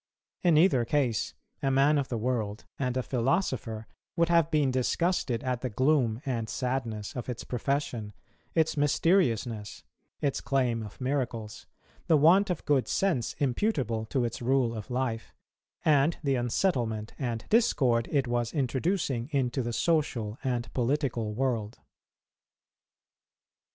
In either case, a man of the world and a philosopher would have been disgusted at the gloom and sadness of its profession, its mysteriousness, its claim of miracles, the want of good sense imputable to its rule of life, and the unsettlement and discord it was introducing into the social and political world.